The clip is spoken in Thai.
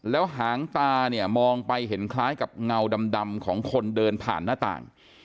แล้วหางตาเนี่ยมองไปเห็นคล้ายกับเงาดำของคนเดินผ่านหน้าต่าง